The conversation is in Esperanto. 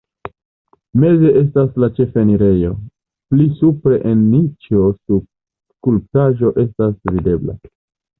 Meze estas la ĉefenirejo, pli supre en niĉo skulptaĵo estas videbla.